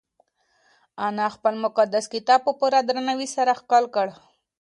انا خپل مقدس کتاب په پوره درناوي سره ښکل کړ.